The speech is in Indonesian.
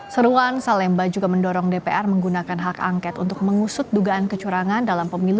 seruan salemba juga mendorong dpr menggunakan hak angket untuk mengusut dugaan kecurangan dalam pemilu dua ribu dua puluh empat